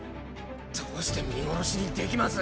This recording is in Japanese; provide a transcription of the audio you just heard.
どうして見殺しにできます？